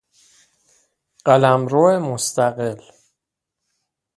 قلمرو مستقل